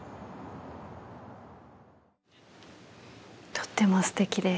とってもすてきです。